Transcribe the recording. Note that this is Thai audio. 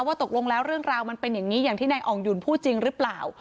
ตกลงแล้วเรื่องราวมันเป็นอย่างนี้อย่างที่นายอ่องหยุ่นพูดจริงหรือเปล่า